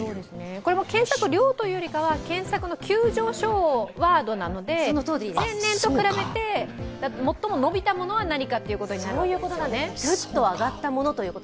これも検索料というよりは検索の急上昇ワードなので前年と比べて、最も伸びたものは何かということになるわけですね。